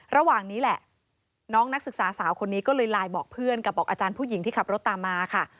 ระหว่างนี้แหละน้องนักศึกษาสาวคนนี้ก็เลยไลน์บอกเพื่อนกับบอกอาจารย์ผู้หญิงที่ขับรถตามมาค่ะ